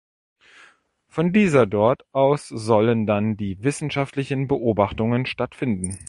Von dieser dort aus sollen dann die wissenschaftlichen Beobachtungen stattfinden.